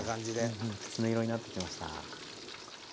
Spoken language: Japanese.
うんきつね色になってきました。